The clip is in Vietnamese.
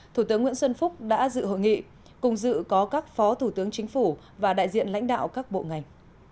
thủ tướng nguyễn xuân phúc đã dự hội nghị cùng dự có các phó thủ tướng chính phủ và đại diện lãnh đạo các bộ ngành